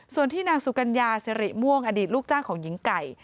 ส่วนที่นางสุกัญญาสิริม่วงอดีตลูกจ้างของหญิงไก่